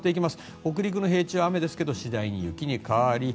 北陸の平地は雨ですが次第に雪に変わり